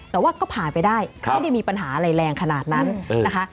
แต่ว่าก็ผ่านไปได้ไม่ได้มีปัญหาอะไรแรงขนาดนั้นนะคะ